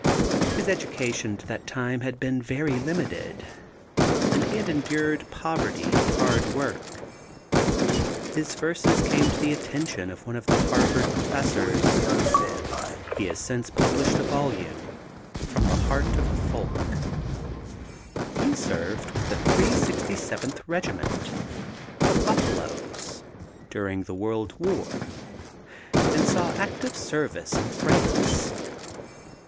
His education to that time had been very limited and he had endured poverty and hard work. His verses came to the attention of one of the Harvard professors. He has since published a volume, From the Heart of a Folk. He served with the 367th Regiment, "The Buffaloes," during the World War and saw active service in France.